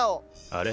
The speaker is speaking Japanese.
あれ？